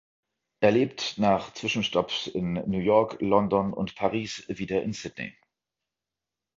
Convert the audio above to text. Er lebt, nach Zwischenstopps in New York, London und Paris, wieder in Sydney.